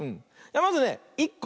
まずね１こ。